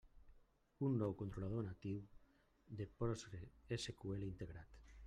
Un nou controlador natiu de PostgreSQL integrat.